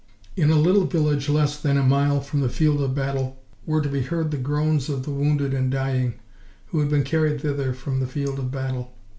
In a little village less than a mile from the field of battle were to be heard the groans of the wounded and dying, who had been carried thither from the field of battle.